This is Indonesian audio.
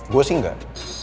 gue sih enggak